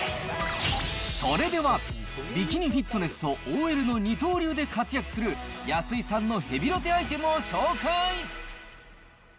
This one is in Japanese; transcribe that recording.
それでは、ビキニフィットネスとＯＬの二刀流で活躍する安井さんのヘビロテアイテムを紹介。